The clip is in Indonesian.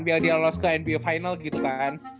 biar dia lolos ke nba final gitu kan